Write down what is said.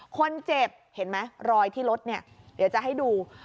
คนเจ็บเห็นมะรอยรดที่รดเนี่ยเดี๋ยวจะให้ดู